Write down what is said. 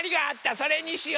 それにしよ。